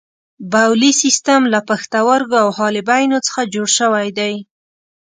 بولي سیستم له پښتورګو او حالبینو څخه جوړ شوی دی.